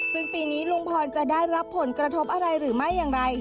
ซึ่งปีนี้ลุงพรจะได้รับผลกระทบอะไรหรือไม่อย่างไร